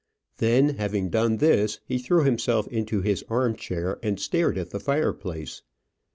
Then, having done this, he threw himself into his arm chair, and stared at the fireplace.